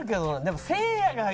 でもせいやが。